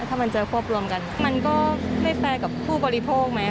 ถ้ามันจะควบรวมกันมันก็ไม่แฟร์กับผู้บริโภคไหม